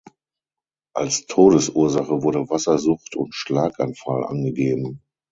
Als Todesursache wurde Wassersucht und Schlaganfall angegeben.